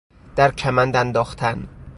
در کمند انداختن